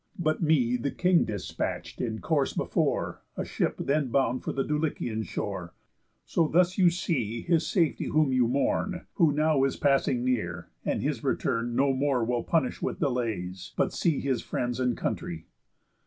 But me the king dispatch'd in course before, A ship then bound for the Dulichian shore. So thus you see his safety whom you mourn; Who now is passing near, and his return No more will punish with delays, but see His friends and country.